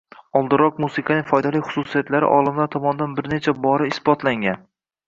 Oldinroq musiqaning foydali xususiyatlari olimlar tomonidan bir necha bora isbotlangan.